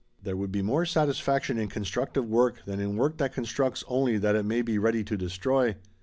There would be more satisfaction in constructive work than in work that constructs only that it may be ready to destroy.